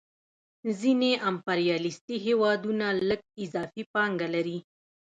ځینې امپریالیستي هېوادونه لږ اضافي پانګه لري